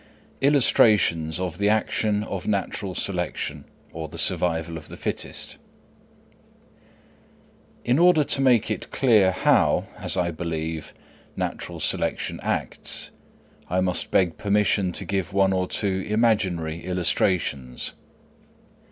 Illustrations of the Action of Natural Selection, or the Survival of the Fittest. In order to make it clear how, as I believe, natural selection acts, I must beg permission to give one or two imaginary illustrations.